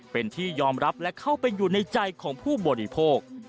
เป็นที่ยอมรับและเข้าไปอยู่ในใจของผู้บริโภค